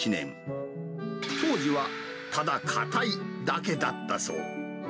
当時はただ硬いだけだったそう。